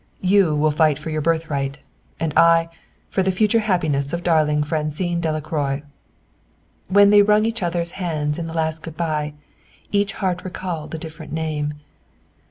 You will fight for your birthright, and I for the future happiness of darling Francine Delacroix." When they wrung each other's hands in the last good bye, "each heart recalled a different name."